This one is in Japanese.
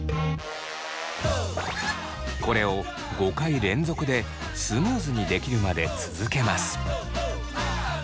これを５回連続でスムーズにできるまで続けます。